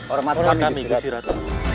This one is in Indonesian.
orang matahari gusti ratu